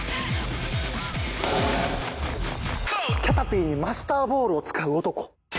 キャタピーにマスターボールを使う男。